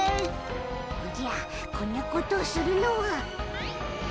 おじゃこんなことをするのは。